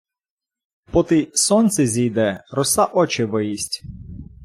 Потий сонце зійде — роса очи виїсть.